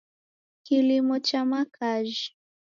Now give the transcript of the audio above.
Kilimo cha makajhi